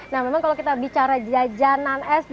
nah memang kalau kita bicara jajanan sd